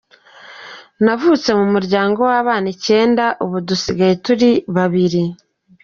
Navutse mu muryango w’abana icyenda, ubu dusigaye turi babiri.